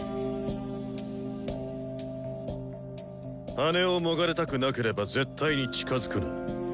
羽をもがれたくなければ絶対に近づくな。